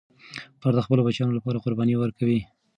پلار د خپلو بچیانو لپاره قرباني ورکوي.